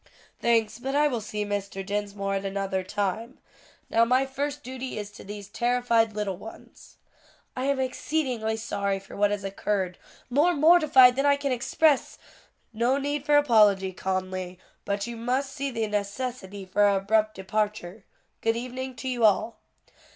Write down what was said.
"Thanks, but I will see Mr. Dinsmore at another time. Now my first duty is to these terrified little ones." "I am exceedingly sorry for what has occurred; more mortified than I can express " "No need for apology, Conly; but you must see the necessity for our abrupt departure. Good evening to you all."